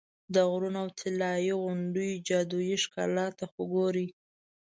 د غرونو او طلایي غونډیو جادویي ښکلا ته خو ګورې.